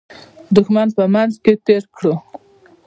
دښمن په منځ کې تېر کړو.